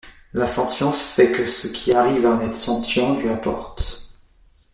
La sentience fait que ce qui arrive à un être sentient lui importe.